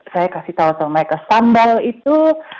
saya kasih tahu tahu mereka sambal itu